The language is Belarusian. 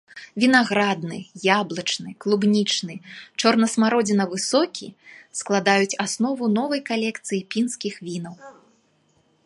Вінаградны, яблычны, клубнічны, чорнасмародзінавы сокі складаюць аснову новай калекцыі пінскіх вінаў.